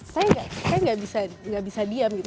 saya nggak bisa diam gitu